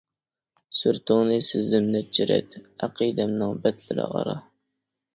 سۈرىتىڭنى سىزدىم نەچچە رەت، ئەقىدەمنىڭ بەتلىرى ئارا.